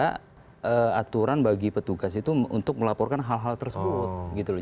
karena tidak ada aturan bagi petugas itu untuk melaporkan hal hal tersebut